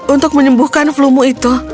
untuk menyembuhkan flumu itu